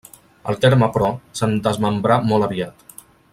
El terme, però, se'n desmembrà molt aviat.